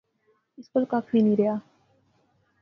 اس کول ککھ وی نی رہیا